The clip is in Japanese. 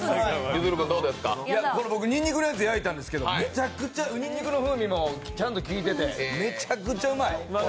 これ僕、にんにくのやつ焼いたんですけど、にんにくの風味もちゃんときいてて、めちゃくちゃうまい。